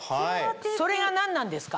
それが何なんですか？